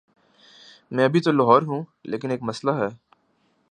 میں ابھی تو لاہور ہوں، لیکن ایک مسلہ ہے۔